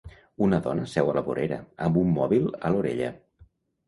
Una dona seu a la vorera amb un mòbil a l'orella.